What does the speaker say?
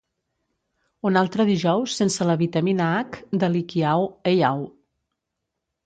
Un altre dijous sense la vitamina H de l'Hikiau Heiau.